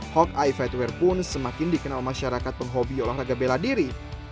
hawkey fightwear pun semakin dikenal masyarakat penghobi olahraga bela diri